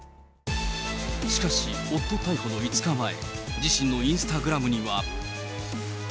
しかし、夫逮捕の５日前、自身のインスタグラムには。